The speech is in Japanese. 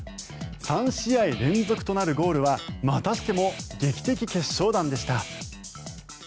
３試合連続となるゴールはまたしても劇的決勝弾でした。